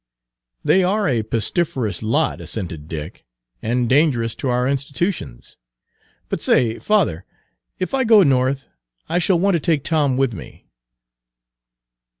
"They are a pestiferous lot," assented Dick, "and dangerous to our institutions. But say, father, if I go North I shall want to take Tom with me."